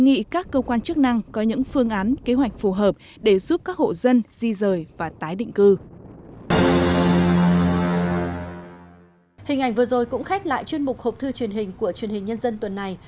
hình ảnh vừa rồi cũng khép lại chuyên mục hộp thư truyền hình của truyền hình nhân dân tuần này